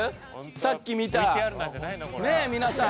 さっき見た。